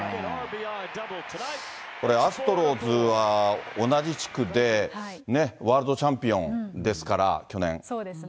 これ、アストロズは同じ地区で、ね、ワールドチャンピオンですから、去年。